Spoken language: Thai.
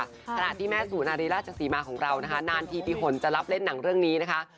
ขณะที่แม่สุนารีราชศรีมาของเรานะคะนานทีปีหนจะรับเล่นหนังเรื่องนี้นะคะ